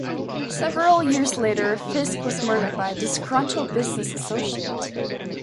Several years later Fisk was murdered by a disgruntled business associate.